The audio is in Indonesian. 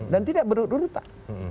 dan tidak berurutan